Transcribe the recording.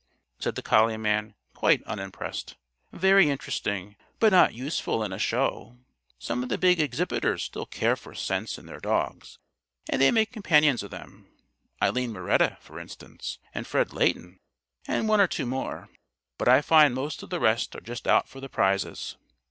said the collie man, quite unimpressed. "Very interesting but not useful in a show. Some of the big exhibitors still care for sense in their dogs, and they make companions of them Eileen Moretta, for instance, and Fred Leighton and one or two more; but I find most of the rest are just out for the prizes.